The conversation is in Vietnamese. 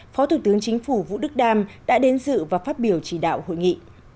phó thủ tướng chính phủ vũ đức đam đã đến dự và phát biểu chỉ đạo hội nghị